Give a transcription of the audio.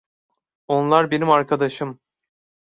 Onlar benim arkadaşım.